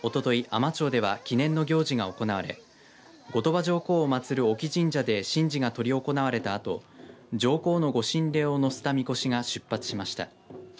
海士町では記念の行事が行われ後鳥羽上皇を祭る隠岐神社で神事が執り行われたあと上皇のご神霊をのせたみこしが出発しました。